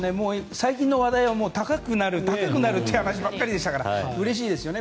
最近の話題は高くなるっていう話ばっかりでしたからうれしいですよね。